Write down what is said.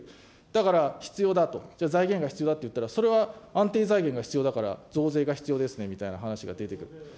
だから必要だと、じゃあ財源が必要だって言ったら、それは安定財源が必要だから増税が必要ですねみたいな話が出てくる。